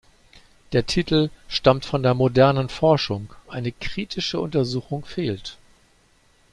Der Titel stammt von der modernen Forschung, eine kritische Untersuchung fehlt.